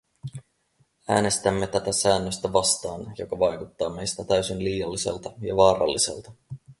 Äänestämme tätä säännöstä vastaan, joka vaikuttaa meistä täysin liialliselta ja vaaralliselta.